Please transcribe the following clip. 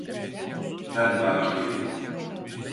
Ben bakireyim.